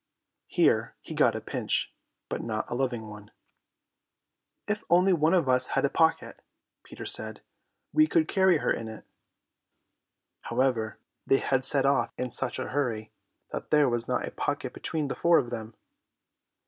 Here he got a pinch, but not a loving one. "If only one of us had a pocket," Peter said, "we could carry her in it." However, they had set off in such a hurry that there was not a pocket between the four of them.